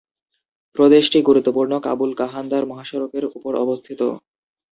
প্রদেশটি গুরুত্বপূর্ণ কাবুল-কান্দাহার মহাসড়কের উপর অবস্থিত।